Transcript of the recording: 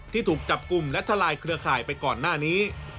ถูกจับกลุ่มและทลายเครือข่ายไปก่อนหน้านี้